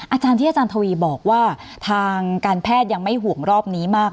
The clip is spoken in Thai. อาจารย์ที่อาจารย์ทวีบอกว่าทางการแพทย์ยังไม่ห่วงรอบนี้มาก